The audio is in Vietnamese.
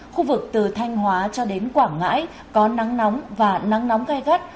khu vực từ thanh hóa cho đến quảng ngãi có nắng nóng và nắng nóng gai gắt